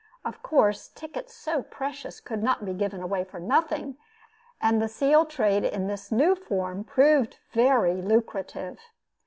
Of course, tickets so precious could not be given away for nothing, and the seal trade in this new form proved very lucrative.